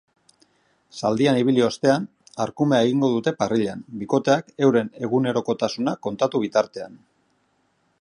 Zaldian ibili ostean, arkumea egingo dute parrillan bikoteak euren egunerokotasuna kontatu bitartean.